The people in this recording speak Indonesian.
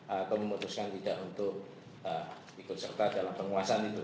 atau memutuskan tidak untuk ikut serta dalam penguasaan itu